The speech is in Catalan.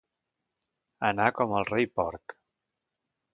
Anar com el rei porc.